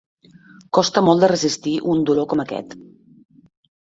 Costa molt de resistir un dolor com aquest.